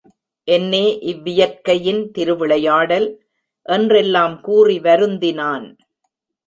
என்னே இவ்வியற்கையின் திருவிளை யாடல்! என்றெல்லாம் கூறி வருந்தினான்.